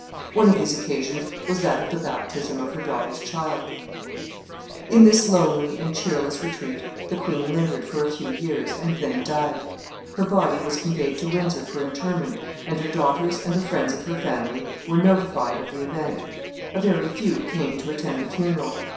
One of these occasions was that of the baptism of her daughter's child. [Illustration: THE MONASTERY OF BERMONDSEY.] In this lonely and cheerless retreat the queen lingered a few years, and then died. Her body was conveyed to Windsor for interment, and her daughters and the friends of her family were notified of the event. A very few came to attend the funeral.